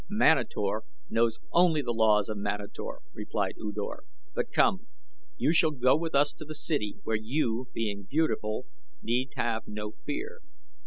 "Manator knows only the laws of Manator," replied U Dor; "but come. You shall go with us to the city, where you, being beautiful, need have no fear.